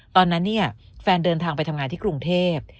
ตอนนั้นเนี่ยแฟนเดินทางไปทำงานที่กรุงเทพ